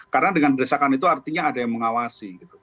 karena dengan desakan itu artinya ada yang mengawasi